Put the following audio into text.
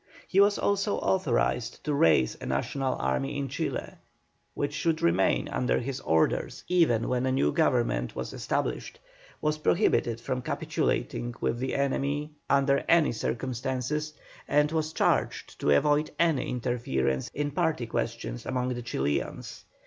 He was also authorized to raise a national army in Chile, which should remain under his orders even when a new Government was established; was prohibited from capitulating with the enemy under any circumstances; and was charged to avoid any interference in party questions among the Chilians.